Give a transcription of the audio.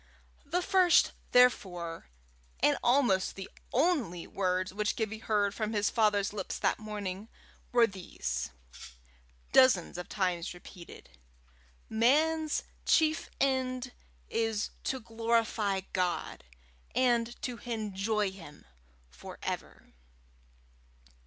The first, therefore, and almost the only words which Gibbie heard from his father's lips that morning, were these, dozens of times repeated "Man's chief end is to glorify God, and to enjoy Him for ever."